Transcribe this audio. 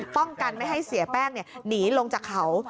ป้องกันไม่ให้เสียแป้งหนีลงจากเขา